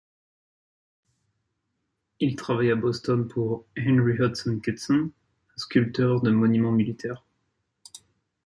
Il travaille à Boston pour Henry Hudson Kitson, un sculpteur de monuments militaires.